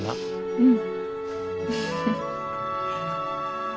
うん。